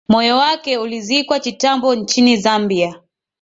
moyo wake ulizikwa Chitambo nchini Zambia